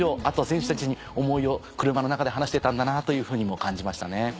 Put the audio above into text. あと選手たちに思いを車の中で話してたんだなというふうにも感じましたね。